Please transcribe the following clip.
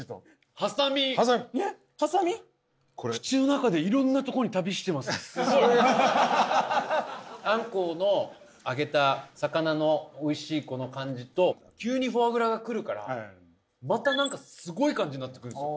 はさみえっはさみあんこうの揚げた魚のおいしいこの感じと急にフォアグラがくるからまた何かすごい感じになってくるんですよ